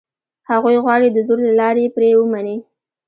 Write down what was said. هغوی غواړي دزور له لاري یې پرې ومني.